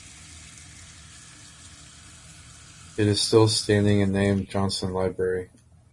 It is still standing and named Johnson Library.